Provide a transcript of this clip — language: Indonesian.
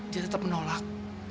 dia tetep menolak